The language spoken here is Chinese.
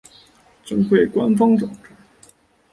惠贞书院官方网站